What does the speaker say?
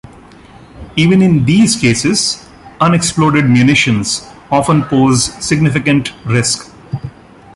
Even in these cases, unexploded munitions often pose significant risk.